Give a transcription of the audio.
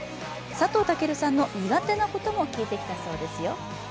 佐藤健さんの苦手なことも聞いてきたそうですよ。